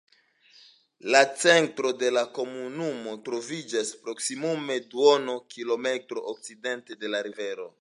La centro de la komunumo troviĝas proksimume duona kilometro okcidente de la rivero.